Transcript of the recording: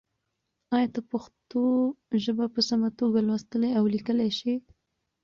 ایا ته پښتو ژبه په سمه توګه لوستلی او لیکلی شې؟